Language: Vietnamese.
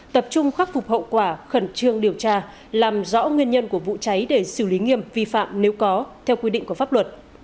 tập trung khắc phục hậu quả khẩn trương điều tra làm rõ nguyên nhân của vụ cháy để xử lý nghiêm vi phạm nếu có theo quy định của pháp luật